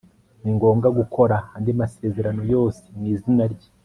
ni ngombwa gukora andi masezerano yose mu izina rye